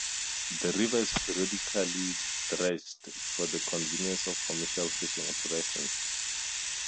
The river is periodically dredged for the convenience of commercial fishing operations.